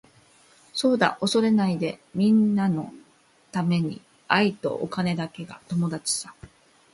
そうだ恐れないでみんなのために愛とお金だけが友達さ。